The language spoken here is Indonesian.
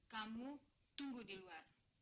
kamu tunggu di luar